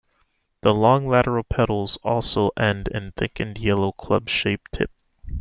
The long, lateral petals also end in a thickened, yellow club-shaped tip.